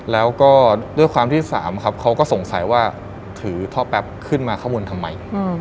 แล้วก็ด้วยความที่๓ครับเขาก็สงสัยว่าถือท่อแป๊บขึ้นมาข้างบนทำไม